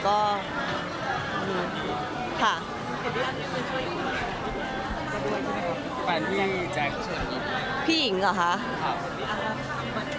แฟนพี่แจ๊คคือสัมพิติ